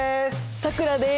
さくらです。